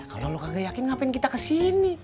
kalau lo kagak yakin ngapain kita kesini